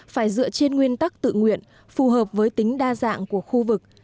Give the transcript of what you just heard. phải dựa trên nguyên tắc tự nguyện phù hợp với tính đa dạng của khu vực